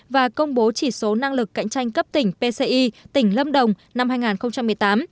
và công bố chỉ số năng lực cạnh tranh cấp tỉnh pci tỉnh lâm đồng năm hai nghìn một mươi tám